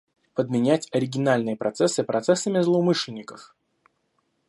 Подменять оригинальные процессы процессами злоумышленников